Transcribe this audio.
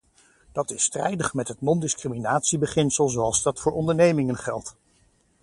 Dat is strijdig met het non-discriminatiebeginsel zoals dat voor ondernemingen geldt.